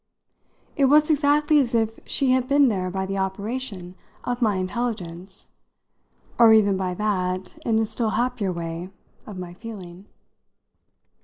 It was exactly as if she had been there by the operation of my intelligence, or even by that in a still happier way of my feeling.